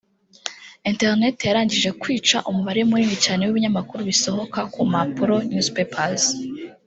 Internet yarangije kwica umubare munini cyane w’ibinyamakuru bisohoka ku mpapuro (newspapers)